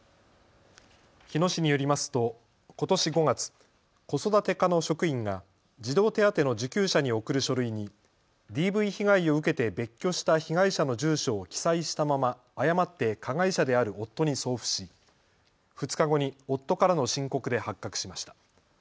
日野市によりますとことし５月、子育て課の職員が児童手当の受給者に送る書類にＤＶ被害を受けて別居した被害者の住所を記載したまま誤って加害者である夫に送付し２日後に夫からの申告で発覚しました。